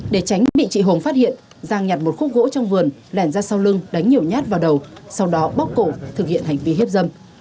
để tránh bị chị hùng phát hiện giang nhặt một khúc gỗ trong vườn lẻn ra sau lưng đánh nhiều nhát vào đầu sau đó bóc cổ thực hiện hành vi hiếp dâm